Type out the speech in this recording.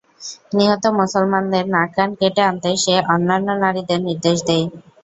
নিহত মুসলমানদের নাক-কান কেটে আনতে সে অন্যান্য নারীদের নির্দেশ দেয়।